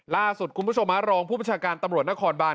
ล่าสุดคุณผู้ชมรองผู้ประชาการตำรวจนครบาน